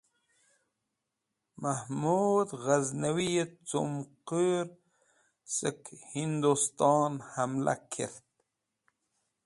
Mehmood Ghaznawiye Cumqur Sẽk Hinduston hamla Kert